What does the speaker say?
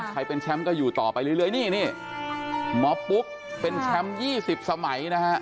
เป็นแชมป์ก็อยู่ต่อไปเรื่อยนี่หมอปุ๊กเป็นแชมป์๒๐สมัยนะฮะ